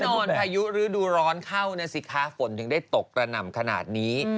มวลพายุฤดูร้อนเข้านะสิคะฝนถึงได้ตกกระหน่ำขนาดนี้